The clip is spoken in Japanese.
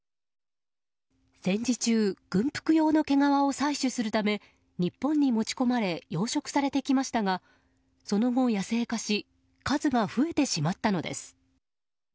戦時中、軍服用の毛皮を採取するため日本に持ち込まれ養殖されてきましたがその後、野生化し数が増えてしまったのです。